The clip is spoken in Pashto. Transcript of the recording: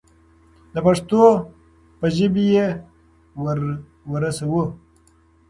د پښتو په ژبه یې ورسوو.